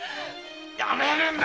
やめるんだ！